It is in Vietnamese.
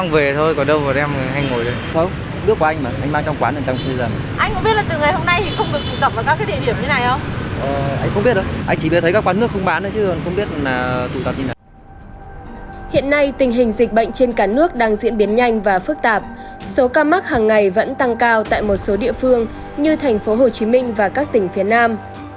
vì dịch bệnh trên cả nước đang diễn biến nhanh và phức tạp số ca mắc hằng ngày vẫn tăng cao tại một số địa phương như tp hcm và các tỉnh phía nam